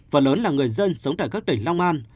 phần lớn là người dân sống tại các tỉnh long an